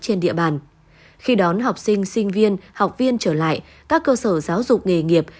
trên địa bàn khi đón học sinh sinh viên học viên trở lại các cơ sở giáo dục nghề nghiệp